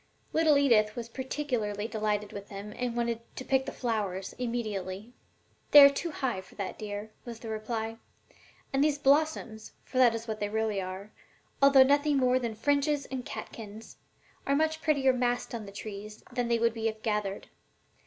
Little Edith was particularly delighted with them, and wanted to "pick the flowers" immediately. "They are too high for that, dear," was the reply, "and these blossoms for that is what they really are, although nothing more than fringes and catkins are much prettier massed on the trees than they would be if gathered.